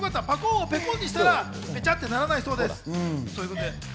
パコンをペコンにしたら、ぺちゃってならないそうです。